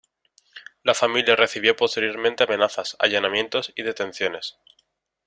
La familia recibió posteriormente amenazas, allanamientos y detenciones.